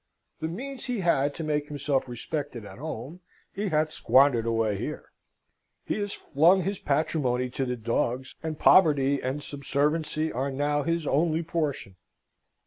The means he had to make himself respected at home he hath squandered away here. He has flung his patrimony to the dogs, and poverty and subserviency are now his only portion."